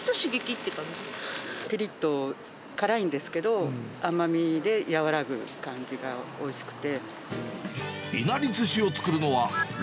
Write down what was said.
ぴりっと辛いんですけど、甘みで和らぐ感じがおいしくて。